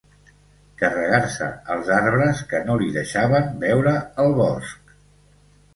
Carregar-se els arbres que no li deixaven veure el bosc.